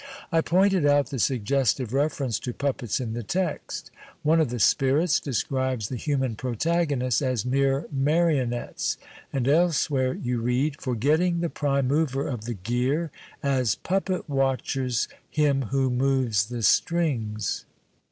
I pointed out the suggestive reference to puppets in the text. One of the Spirits describes the human protagonists as " mere marionettes," and elsewhere you read :— Forgetting the Prime Mover of the gear As puppet watchers him who moves the strings.